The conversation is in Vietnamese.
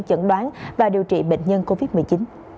chẩn đoán và điều trị bệnh nhân covid một mươi chín